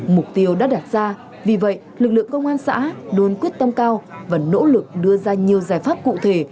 mục tiêu đã đặt ra vì vậy lực lượng công an xã luôn quyết tâm cao và nỗ lực đưa ra nhiều giải pháp cụ thể